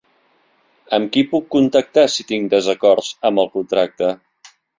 Amb qui puc contactar si tinc desacords amb el contracte?